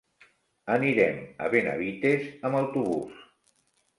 Anirem a Benavites amb autobús.